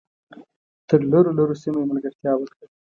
تر لرو لرو سیمو یې ملګرتیا وکړه .